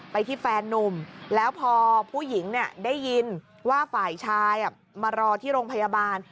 ไปที่แฟนนุ่มแล้วพอผู้หญิงได้ยินว่าฝ่ายชายมารอที่โรงพยาบาล